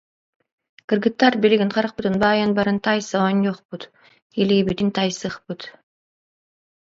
Кыргыттар, билигин харахпытын баайан баран таайса оонньуохпут, илиибитин таайсыахпыт